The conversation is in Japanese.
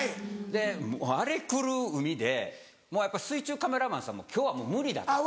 で荒れ狂う海でもうやっぱ水中カメラマンさんも今日は無理だと。